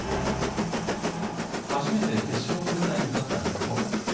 初めて決勝の舞台に立った日本。